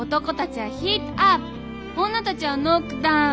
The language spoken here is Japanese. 女たちはノックダウン。